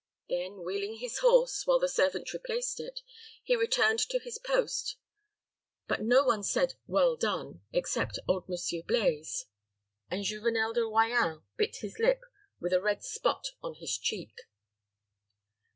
Then wheeling his horse, while the servant replaced it, he returned to his post. But no one said "Well done," except old Monsieur Blaize; and Juvenel de Royans bit his lip, with a red spot on his cheek.